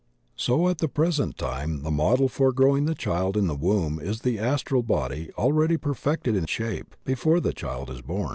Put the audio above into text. So at the present time the model for the growing child in the womb is the astral body already perfect in shape before the child is bom.